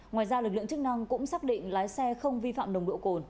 ngoài ra lực lượng chức năng cũng xác định lái xe không vi phạm nồng độ cồn